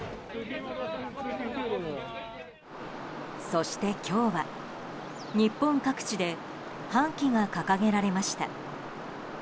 そして今日は日本各地で半旗が掲げられました。